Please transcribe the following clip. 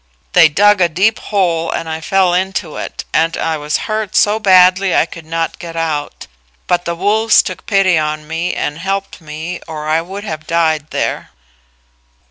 They dug a deep hole and I fell into it, and I was hurt so badly I could not get out; but the wolves took pity on me and helped me or I would have died there."